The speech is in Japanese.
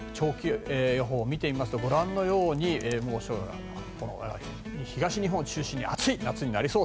予報を見てみますと東日本を中心に暑い夏になりそう。